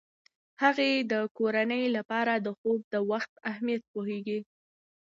هغې د کورنۍ لپاره د خوب د وخت اهمیت پوهیږي.